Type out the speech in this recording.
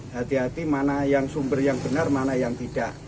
hati hati mana yang sumber yang benar mana yang tidak